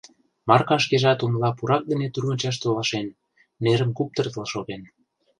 Марка шкежат умла пурак дене тӱрвынчаш толашен, нерым куптыртыл шоген.